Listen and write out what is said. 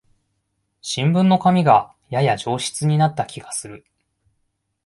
新聞の紙がやや上質になった気がする